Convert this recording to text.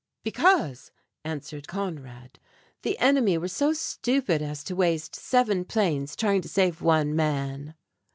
"Because," answered Conrad, "the enemy were so stupid as to waste seven planes trying to save one man."